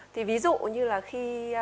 thì ví dụ như là khi